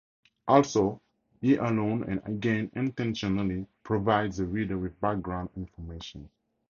Also, he alone, and again intentionally, provides the reader with background information.